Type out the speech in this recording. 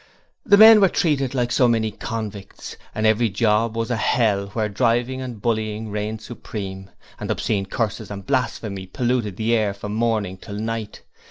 The men were treated like so many convicts, and every job was a hell where driving and bullying reigned supreme, and obscene curses and blasphemy polluted the air from morning till night.